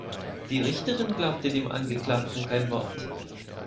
Die Richterin glaubte dem Angeklagten kein Wort.